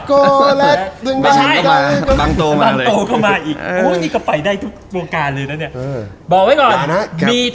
ช็อคโกและบางโต้เข้ามาอีกโอ้ยนี่ก็ไปได้ทุกโอกาสเลยนะเนี่ย